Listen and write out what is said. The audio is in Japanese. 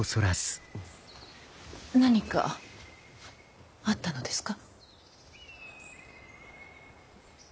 何かあったのですか？